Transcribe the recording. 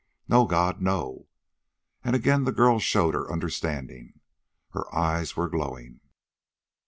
"No god no!" And again the girl showed her understanding. Her eyes were glowing.